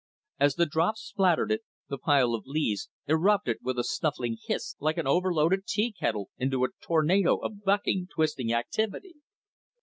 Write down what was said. As the drops splattered it, the pile of leaves erupted with a snuffling hiss like an overloaded teakettle into a tornado of bucking, twisting activity.